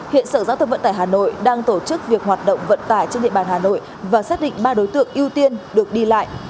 hiện sở giao thông vận tải hà nội đang tổ chức việc hoạt động vận tải trên địa bàn hà nội và xác định ba đối tượng ưu tiên được đi lại